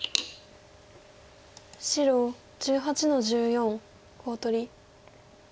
白１８の十四コウ取り。